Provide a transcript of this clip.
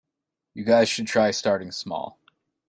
You guys should try starting small.